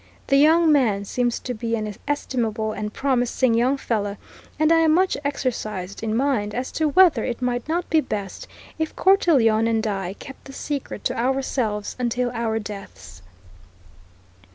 The young man seems to be an estimable and promising young fellow, and I am much exercised in mind as to whether it might not be best if Cortelyon and I kept the secret to ourselves until our deaths.'"